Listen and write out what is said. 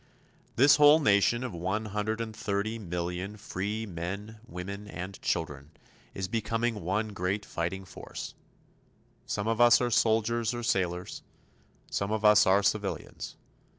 This whole nation of 130,000,000 free men, women and children is becoming one great fighting force. Some of us are soldiers or sailors, some of us are civilians.